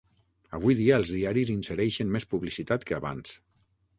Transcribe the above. Avui dia els diaris insereixen més publicitat que abans.